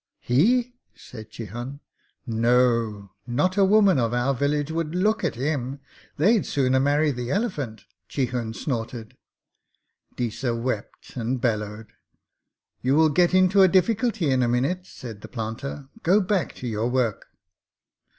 'He!' said Chihun. 'No. Not a woman of our village would look at him. They'd sooner marry the elephant.' Chihun snorted. Deesa wept and bellowed. 'You will get into a difficulty in a minute,' said the planter. 'Go back to your work!'